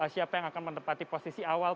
siapa yang akan menempati posisi awal